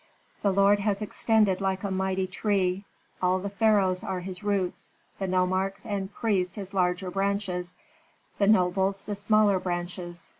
The lord has extended like a mighty tree. All the pharaohs are his roots, the nomarchs and priests his larger branches, the nobles the smaller branches.